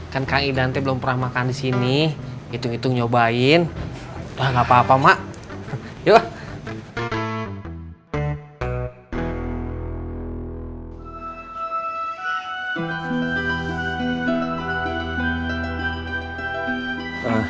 kan kang idan teh belum pernah makan di sini hitung hitung nyobain lah nggak papa mak yuk